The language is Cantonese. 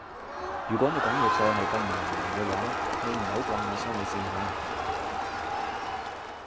如果你講嘢再係咁唔文明嘅話你唔好怪我收你線吓